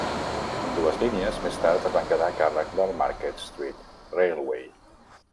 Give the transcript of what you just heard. Ambdues línies més tard es van quedar a càrrec del Market Street Railway.